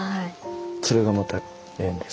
それがまたええんです。